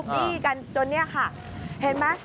บี้กันจนเนี่ยค่ะเห็นไหม